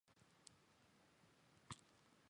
田中芳树。